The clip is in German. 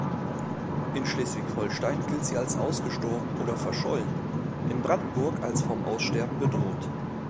In Schleswig-Holstein gilt sie als "ausgestorben oder verschollen", in Brandenburg als "vom Aussterben bedroht".